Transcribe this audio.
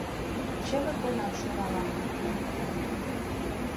- Чыве коям шӱралам.